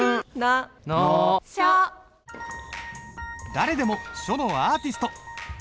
誰でも書のアーティスト！